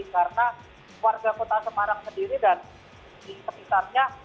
karena warga kota semarang sendiri dan di sekitarnya